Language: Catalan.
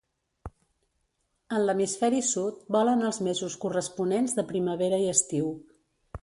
En l'hemisferi sud vola en els mesos corresponents de primavera i estiu.